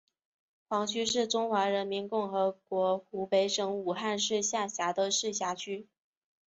黄区是中华人民共和国湖北省武汉市下辖的市辖区。